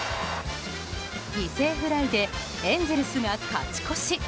犠牲フライでエンゼルスが勝ち越し。